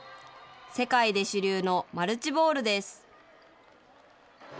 世界で主流のマルチボールです。